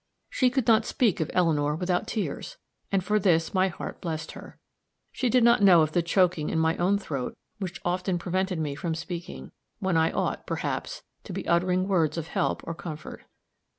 She could not speak of Eleanor without tears; and for this my heart blessed her. She did not know of the choking in my own throat which often prevented me from speaking, when I ought, perhaps, to be uttering words of help or comfort.